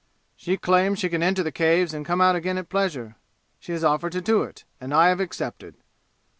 "She claims she can enter the Caves and come out again at pleasure. She has offered to do it, and I have accepted."